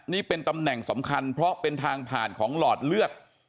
นี่เป็นตำแหน่งสำคัญเพราะเป็นทางผ่านของหลอดเลือด